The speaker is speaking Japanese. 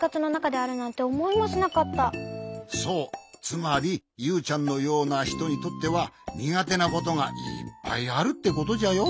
つまりユウちゃんのようなひとにとってはにがてなことがいっぱいあるってことじゃよ。